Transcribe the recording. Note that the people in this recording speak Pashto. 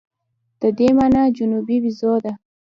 د دې مانا جنوبي بیزو ده.